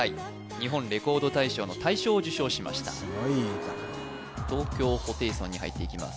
日本レコード大賞の大賞を受賞しましたすごいいい歌東京ホテイソンに入っていきます